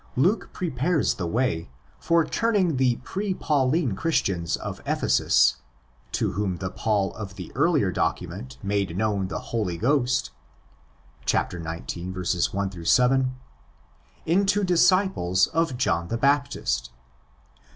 Luke pre pares the way for turning the pre Pauline Christians of Ephesus, to whom the Paul of the earlier document made known the Holy Ghost (xix. 1 7), into disciples of John the Baptist.